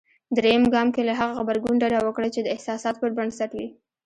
درېم ګام کې له هغه غبرګون ډډه وکړئ. چې د احساساتو پر بنسټ وي.